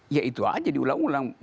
ya itu aja diulang ulang